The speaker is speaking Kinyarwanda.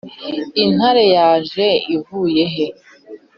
intare yaje ivuye he?